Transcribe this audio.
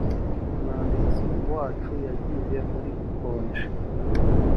umwanditsi wacu yagiye muri konji